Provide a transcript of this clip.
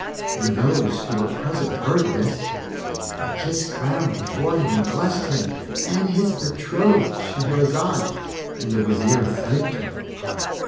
When those who were present heard this, they kissed ground before him and blessed him and his betrothed Shahrazad, and the Wazir thanked her.